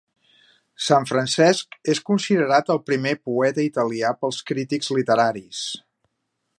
Sant Francesc és considerat el primer poeta italià pels crítics literaris.